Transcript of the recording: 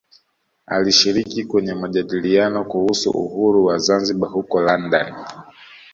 Alishiriki kwenye majadiliano kuhusu uhuru wa Zanzibar huko London